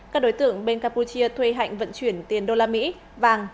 các đối tượng bên campuchia thuê hạnh vận chuyển tiền đô la mỹ vàng